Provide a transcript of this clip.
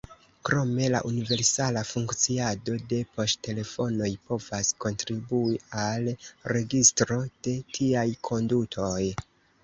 Krome la universala funkciado de poŝtelefonoj povas kontribui al registro de tiaj kondutoj.